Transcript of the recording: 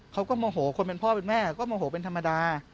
เขาก็โมโหคนเป็นพ่อเป็นแม่ก็โมโหเป็นธรรมดา